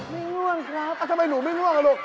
ไม่ง่วงครับอ้าวทำไมหนูไม่ง่วงเหรอลูก